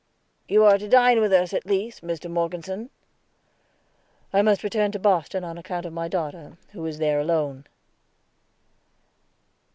"You are to dine with us, at least, Mr. Morgeson." "I must return to Boston on account of my daughter, who is there alone."